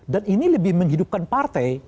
dan ini lebih menghidupkan partai